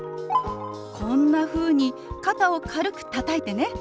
こんなふうに肩を軽くたたいてね。